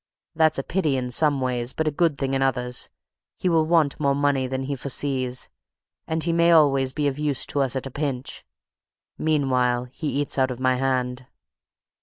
That's a pity in some ways, but a good thing in others; he will want more money than he foresees, and he may always be of use to us at a pinch. Meanwhile he eats out of my hand."